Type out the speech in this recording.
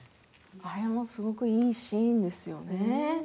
あれもすごくいいシーンでしたよね。